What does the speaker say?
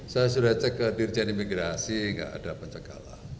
saya sudah cek ke dirjen imigrasi tidak ada pencegahan